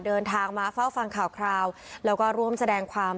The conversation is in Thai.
เดินทางมาเฝ้าฟังข่าวคราวแล้วก็ร่วมแสดงความ